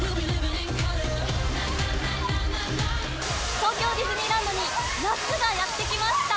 東京ディズニーランドに夏がやって来ました。